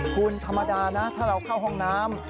คุณธรรมดานะถ้าเราเข้าห้องน้ำ